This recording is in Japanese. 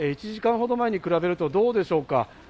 １時間ほど前に比べるとどうでしょうか。